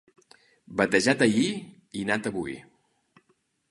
Batejat ahir i nat avui.